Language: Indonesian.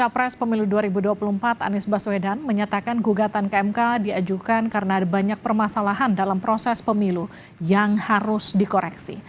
pada pemilu dua ribu dua puluh empat anies baswedan menyatakan gugatan kmk diajukan karena ada banyak permasalahan dalam proses pemilu yang harus dikoreksi